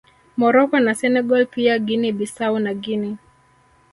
Morocco na Senegal pia Guinea Bissau na Guinea